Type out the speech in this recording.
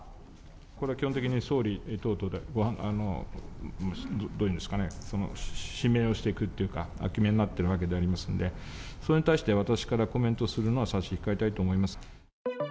これは基本的に総理が、どう言うんですかね、指名をしていくというか、お決めになっているわけでありますんで、それに対して私からコメントするのは差し控えたいと思います。